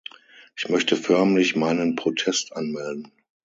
Ich möchte förmlich meinen Protest anmelden.